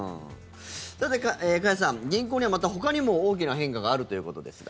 加谷さん、銀行にはまた、ほかにも大きな変化があるということですが。